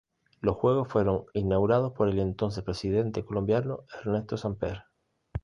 Los juegos fueron inaugurados por el entonces Presidente colombiano Ernesto Samper.